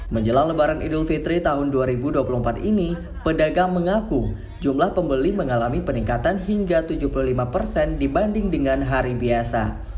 menjelang lebaran idul fitri tahun dua ribu dua puluh empat ini pedagang mengaku jumlah pembeli mengalami peningkatan hingga tujuh puluh lima persen dibanding dengan hari biasa